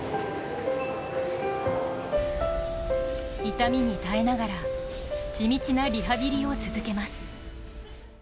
痛みに耐えながら地道なリハビリを続けます。